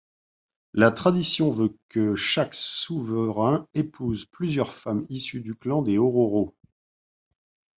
La tradition veut que chaque souverain épouse plusieurs femmes issues du clan des Ororo.